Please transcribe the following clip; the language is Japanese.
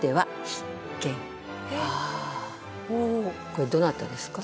これどなたですか？